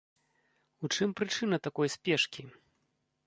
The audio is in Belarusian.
У чым прычына такой спешкі?